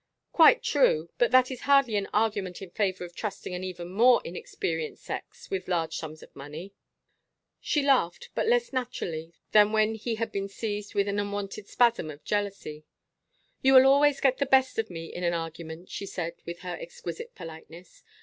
"Quite true. But that is hardly an argument in favor of trusting an even more inexperienced sex with large sums of money." She laughed, but less naturally than when he had been seized with an unwonted spasm of jealousy. "You will always get the best of me in an argument," she said with her exquisite politeness.